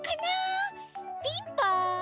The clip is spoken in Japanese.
ピンポン。